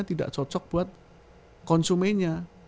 tidak cocok buat konsumennya